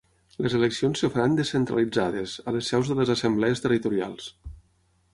Les eleccions es faran descentralitzades, a les seus de les assemblees territorials.